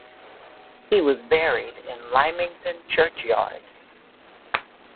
He was buried in Lymington churchyard.